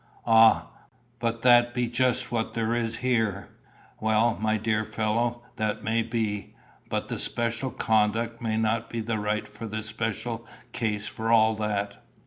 "Ah! but that be just what there is here." "Well, my dear fellow, that may be; but the special conduct may not be right for the special case for all that.